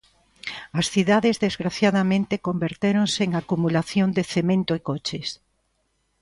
As cidades desgraciadamente convertéronse en acumulación de cemento e coches.